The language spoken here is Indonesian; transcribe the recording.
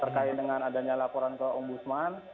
terkait dengan adanya laporan ke om busman